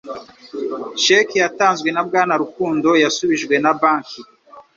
Sheki yatanzwe na Bwana Rukundo yasubijwe na banki